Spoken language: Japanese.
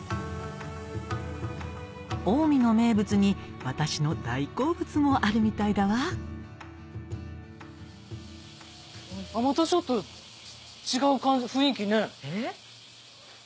近江の名物に私の大好物もあるみたいだわまたちょっと違う雰囲気ね。